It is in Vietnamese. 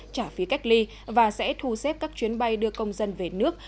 trả phí cách ly và sẽ thu xếp các chuyến bay đưa công dân về nước